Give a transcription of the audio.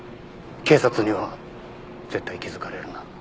警察には絶対気づかれるな。